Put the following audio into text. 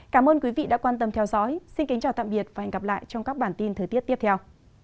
cảm ơn quý vị đã quan tâm theo dõi xin kính chào tạm biệt và hẹn gặp lại trong các bản tin thời tiết tiếp theo